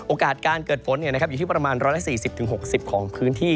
โอกาสการเกิดฝนอยู่ที่ประมาณ๑๔๐๖๐ของพื้นที่